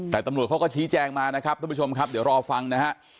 แต่ตำรวจเขาก็ชี้แจงมานะครับท่านผู้ชมครับเดี๋ยวรอฟังนะฮะ